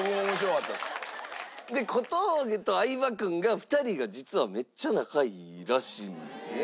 小峠と相葉君が２人が実はめっちゃ仲いいらしいんですね。